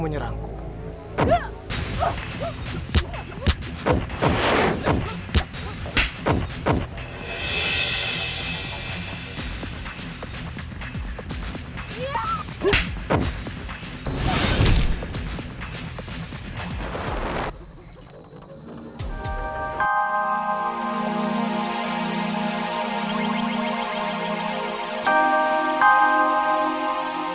hanya hanyalah kamu